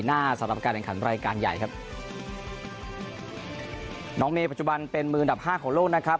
สำหรับการแข่งขันรายการใหญ่ครับน้องเมย์ปัจจุบันเป็นมืออันดับห้าของโลกนะครับ